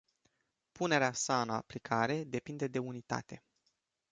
Punerea sa în aplicare depinde de unitate.